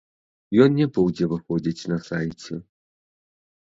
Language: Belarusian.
Ён не будзе выходзіць на сайце.